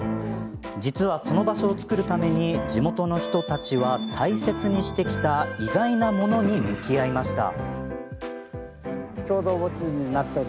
実は、その場所をつくるために地元の人たちは大切にしてきた意外なものに向き合いました。